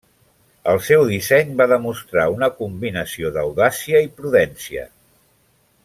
El seu disseny va demostrar una combinació d'audàcia i prudència.